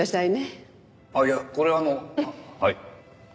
あっいやこれはあのはい。